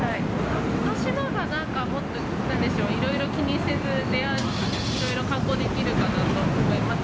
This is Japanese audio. ことしのほうが、なんかもっと、なんでしょう、いろいろ気にせず、いろいろ観光できるかなと思います。